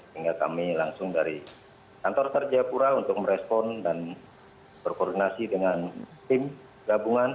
hingga kami langsung dari kantor sarjapura untuk merespon dan berkoordinasi dengan tim gabungan